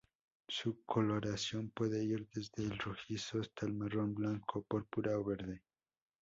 Su coloración puede ir desde el rojizo hasta el marrón, blanco, púrpura, o verde.